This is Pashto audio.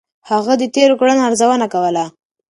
هغه د تېرو کړنو ارزونه کوله.